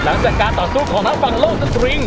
หลังจากการต่อสู้ของนักฝั่งโลกสตริง